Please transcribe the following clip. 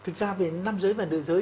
thực ra về nam giới và nội giới